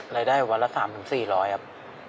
รายได้วันละ๓๔๐๐ครับ